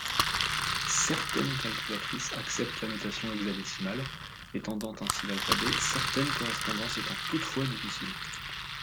Certains calculatrices acceptent la notation hexadécimale, étendant ainsi l'alphabet, certaines correspondances étant toutefois difficiles.